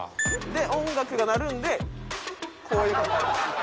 で音楽が鳴るんでこういう。